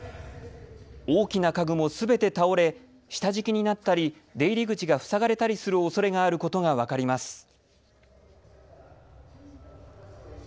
大きな家具もすべて倒れ下敷きになったり出入り口が塞がれたりするおそれがあることが分かります。